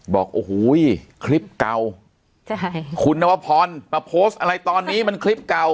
บอกโอ้โหคลิปเก่าคุณนวพรมาโพสต์อะไรตอนนี้มันคลิปเก่า